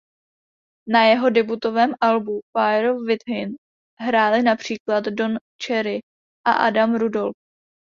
Na jeho debutovém albu "Fire Within" hráli například Don Cherry a Adam Rudolph.